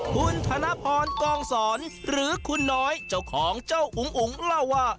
คุณธนพรกองสอนหรือคุณน้อยเจ้าของเจ้าอุ๋งอุ๋งเล่าว่า